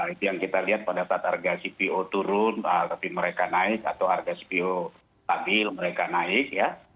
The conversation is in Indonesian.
itu yang kita lihat pada saat harga cpo turun tapi mereka naik atau harga cpo stabil mereka naik ya